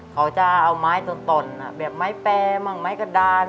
เขาจะเอาไม้ต่อนแบบไม้แปรบ้างไม้กระดาน